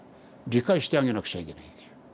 理解してあげなくちゃいけないんだよ。